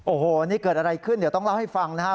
โอ้โหนี่เกิดอะไรขึ้นเดี๋ยวต้องเล่าให้ฟังนะครับ